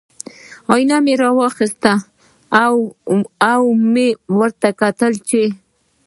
ائینه مې را واخیسته او ومې کتل چې